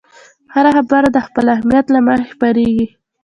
هر خبر د خپل اهمیت له مخې خپرېږي.